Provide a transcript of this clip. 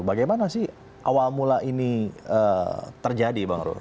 bagaimana sih awal mula ini terjadi bang rul